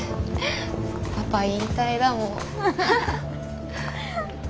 パパ引退だもう。